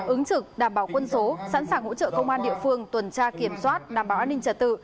ứng trực đảm bảo quân số sẵn sàng hỗ trợ công an địa phương tuần tra kiểm soát đảm bảo an ninh trật tự